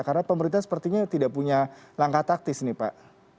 karena pemerintah sepertinya tidak punya langkah taktis nih pak